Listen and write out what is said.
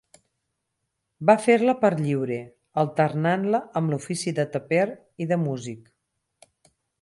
Va fer-la per lliure, alternant-la amb l'ofici de taper i de músic.